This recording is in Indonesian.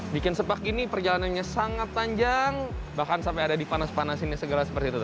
bikin sepak gini perjalanannya sangat panjang bahkan sampai ada dipanas panasin segala seperti itu